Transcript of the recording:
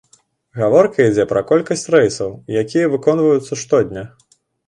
Гаворка ідзе пра колькасць рэйсаў, якія выконваюцца штодня.